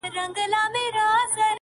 • چی یوه بل ته خر وایی سره خاندي -